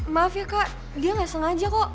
maaf ya kak dia nggak sengaja kok